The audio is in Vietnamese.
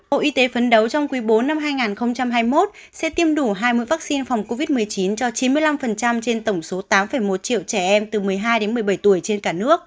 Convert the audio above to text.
bộ y tế phấn đấu trong quý bốn năm hai nghìn hai mươi một sẽ tiêm đủ hai mươi vaccine phòng covid một mươi chín cho chín mươi năm trên tổng số tám một triệu trẻ em từ một mươi hai đến một mươi bảy tuổi trên cả nước